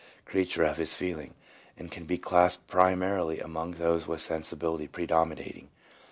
creature of his feelings, and can be classed primarily among those with sensibility predominating.